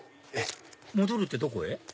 戻るってどこへ？